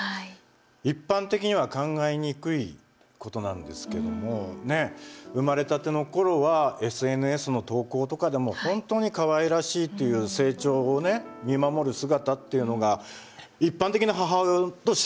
一般的には考えにくいことなんですけども生まれたての頃はＳＮＳの投稿とかでも本当にかわいらしいっていう成長をね見守る姿っていうのが一般的な母親としてあった。